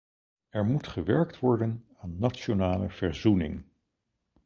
Er moet gewerkt worden aan nationale verzoening.